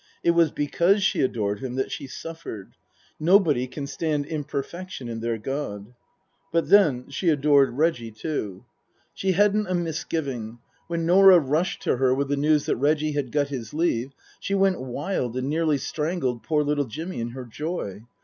It was because she adored him that she suffered. Nobody can stand imperfection in their god. But then she adored Reggie, too. 174 Tasker Jevons She hadn't a misgiving. When Norah rushed to her with the news that Reggie had got his leave, she went wild and nearly strangled poor little Jimmy in her joy.